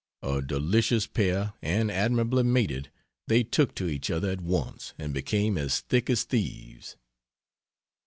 A delicious pair, and admirably mated, they took to each other at once and became as thick as thieves.